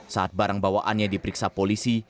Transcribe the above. saat barang bawaannya diperiksa polisi